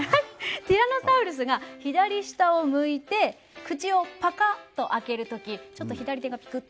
ティラノサウルスが左下を向いて口をパカッと開ける時ちょっと左手がピクッと動くんですけどそこです